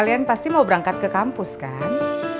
kalian pasti mau berangkat ke kampus kan